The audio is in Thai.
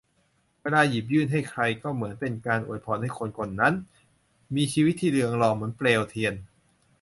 เวลาหยิบยื่นให้ใครก็เหมือนเป็นการอวยพรให้คนคนนั้น มีชีวิตที่เรืองรองเหมือนเปลวเทียน